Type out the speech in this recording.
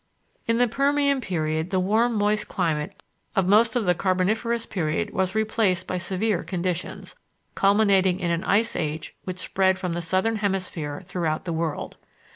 In the Permian period the warm moist climate of most of the Carboniferous period was replaced by severe conditions, culminating in an Ice Age which spread from the Southern Hemisphere throughout the world.